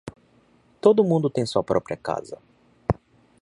Todo mundo tem sua própria casa.